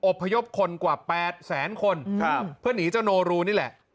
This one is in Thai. อบพยพคนกว่า๘แสนคนก่อนครับเพื่อหนีเจ้านูรูนี่แหละ